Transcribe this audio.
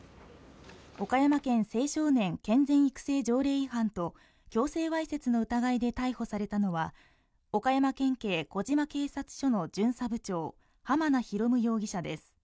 岡山県青少年健全育成条例違反と、強制わいせつの疑いで逮捕されたのは岡山県警児島警察署の巡査部長濱名啓容疑者です。